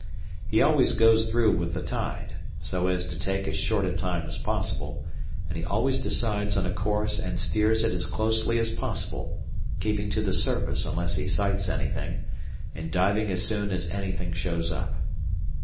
He always goes through with the tide, so as to take as short a time as possible, and he always decides on a course and steers it as closely as possible, keeping to the surface unless he sights anything, and diving as soon as anything shows up.